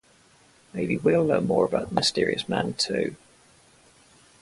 Maybe we’ll learn more about the mysterious man too.